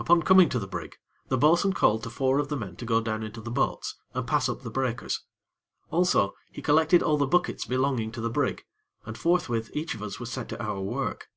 Upon coming to the brig, the bo'sun called to four of the men to go down into the boats, and pass up the breakers: also, he collected all the buckets belonging to the brig, and forthwith each of us was set to our work.